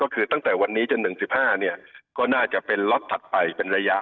ก็คือตั้งแต่วันนี้จน๑๕เนี่ยก็น่าจะเป็นล็อตถัดไปเป็นระยะ